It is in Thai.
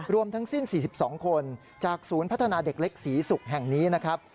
รวมทั้งสิ้น๔๒คนจากศูนย์พัฒนาเด็กเล็กศรีศุกร์แห่งนี้นะครับ